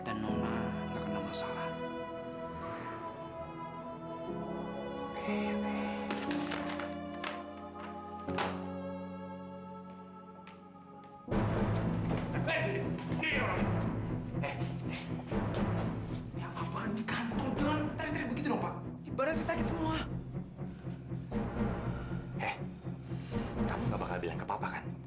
dan nona gak kena masalah